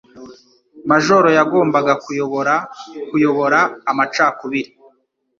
Majoro yagombaga kuyobora kuyobora amacakubiri.